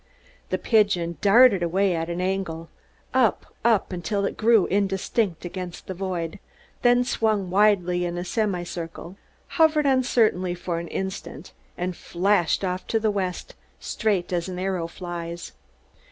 The pigeon darted away at an angle, up, up, until it grew indistinct against the void, then swung widely in a semicircle, hovered uncertainly for an instant, and flashed off to the west, straight as an arrow flies.